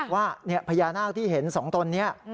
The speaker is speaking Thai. ว่าพยานาคที่เห็น๒ตนครับ